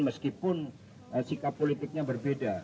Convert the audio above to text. meskipun sikap politiknya berbeda